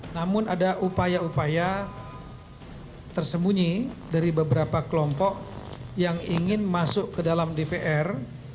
namun ada upaya upaya tersembunyi dari beberapa kelompok yang ingin masuk ke dalam dpr